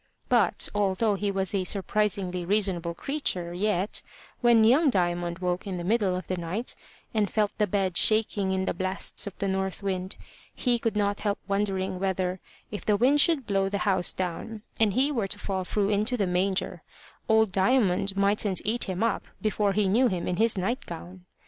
But, although he was a surprisingly reasonable creature, yet, when young Diamond woke in the middle of the night, and felt the bed shaking in the blasts of the north wind, he could not help wondering whether, if the wind should blow the house down, and he were to fall through into the manger, old Diamond mightn't eat him up before he knew him in his night gown.